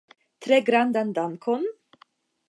Tre grandan dankon?